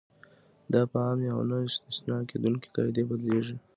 دا په عامې او نه استثنا کېدونکې قاعدې بدلیږي.